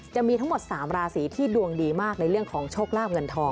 จะมีทั้งหมด๓ราศีที่ดวงดีมากในเรื่องของโชคลาบเงินทอง